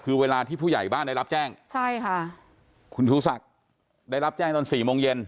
คือเวลาที่ผู้ใหญ่บ้านได้รับแจ้งใช่ค่ะคุณชูศักดิ์ได้รับแจ้งตอนสี่โมงเย็น